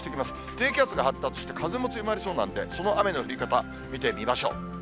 低気圧が発達して、風も強まりそうなんで、その雨の降り方、見てみましょう。